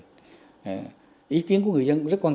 đúng không ạ đúng không ạ đúng không ạ đúng không ạ đúng không ạ